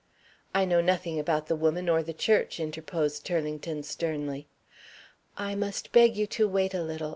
"I know nothing about the woman or the church," interposed Turlington, sternly. "I must beg you to wait a little.